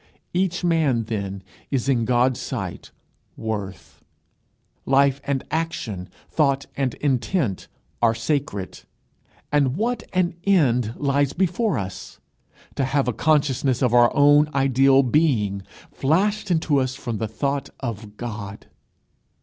Each man, then, is in God's sight worth. Life and action, thought and intent, are sacred. And what an end lies before us! To have a consciousness of our own ideal being flashed into us from the thought of God!